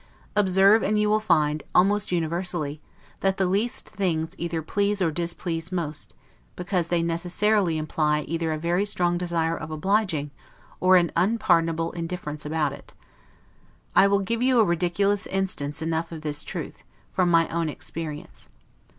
Observe, and you will find, almost universally, that the least things either please or displease most; because they necessarily imply, either a very strong desire of obliging, or an unpardonable indifference about it. I will give you a ridiculous instance enough of this truth, from my own experience.